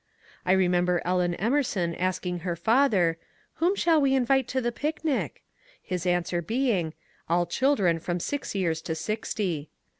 ^ I remember Ellen Emerson asking her father, "Whom shall we invite to the picnic?" — his answer being, "All children from six years to sixty."